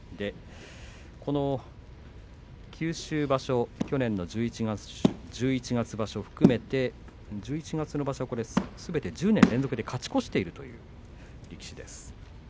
この九州場所、去年の十一月場所含めて１１月の場所はすべて１０年連続で勝ち越しています。